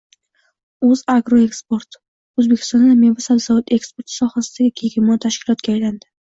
«O‘zagroeksport» O‘zbekistonda meva-sabzavot eksporti sohasidagi gegemon tashkilotga aylandi.